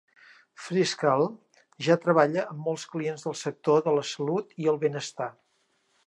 Freescale ja treballa amb molts clients del sector de la salut i el benestar.